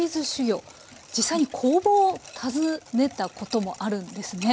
実際に工房を訪ねたこともあるんですね。